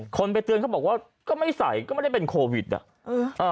คนไปเตือนเขาบอกว่าก็ไม่ใส่ก็ไม่ได้เป็นโควิดอ่ะเออ